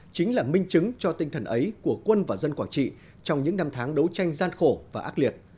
chính là minh chứng cho tinh thần ấy của quân và dân quảng trị trong những năm tháng đấu tranh gian khổ và ác liệt